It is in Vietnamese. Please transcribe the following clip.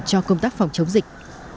cho công tác phòng chống dịch